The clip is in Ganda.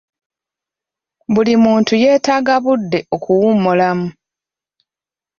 Buli muntu yeetaaga budde okuwummulamu.